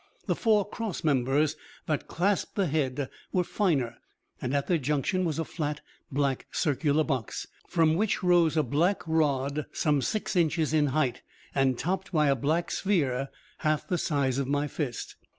The four cross members that clasped the head were finer, and at their junction was a flat black circular box, from which rose a black rod some six inches in height, and topped by a black sphere half the size of my fist.